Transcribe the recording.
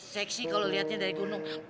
seksi kalau lihatnya dari gunung